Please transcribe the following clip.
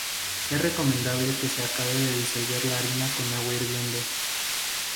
Es recomendable que se acabe de disolver la harina con agua hirviendo.